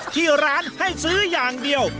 ที่ร้านให้ซื้ออย่างเดียว